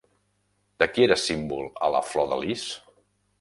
De qui era símbol a la flor de lis?